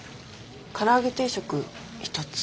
唐揚げ定食１つ。